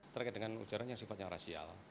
terkait dengan ujaran yang sifatnya rasial